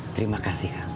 terima kasih kang